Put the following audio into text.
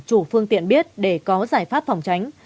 chủ phương tiện biết để có giải pháp phòng tránh